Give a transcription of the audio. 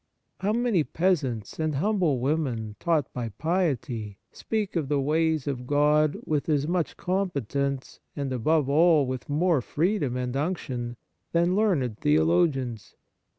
How many peasants and humble women, taught by piety, speak of the ways of God with as much com petence, and, above all, with more freedom and unction, than learned theologians